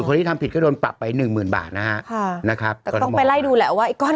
นี่แหละอันดับหนึ่ง